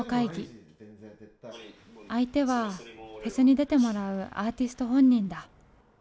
相手はフェスに出てもらうアーティスト本人だ。